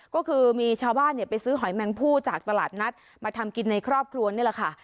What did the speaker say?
ก็คือมีชาวบ้านไปซื้อหอยแมงพู่จากตลาดนัดมาทำกินในครอบครัวนี่แหละค่ะ